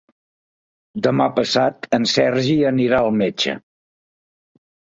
Demà passat en Sergi anirà al metge.